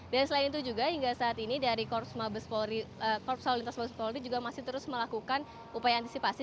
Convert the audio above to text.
dan selain itu juga hingga saat ini dari korpsal lintas mabes polri juga masih terus melakukan upaya antisipasi